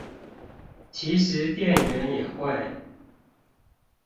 其實店員也會